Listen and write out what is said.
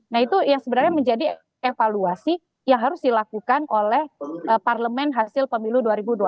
nah itu yang sebenarnya menjadi evaluasi yang harus dilakukan oleh parlemen hasil pemilu dua ribu dua puluh